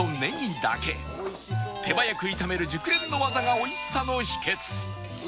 手早く炒める熟練の技が美味しさの秘訣